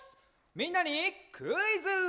みんなにクイズ！